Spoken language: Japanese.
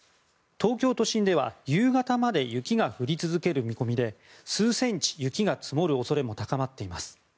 東京都心では夕方まで雪が降り続ける見込みで数センチ、雪が積もる恐れも高まっています。